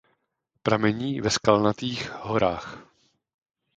Pramení ve Skalnatých horách.